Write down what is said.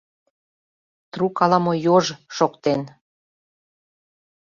Трук ала-мо, йож! шоктен